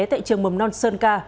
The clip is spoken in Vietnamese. cho bé tại trường mầm non sơn ca